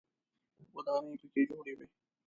ودانۍ په کې جوړوي.